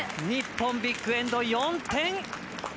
日本ビッグエンド４点！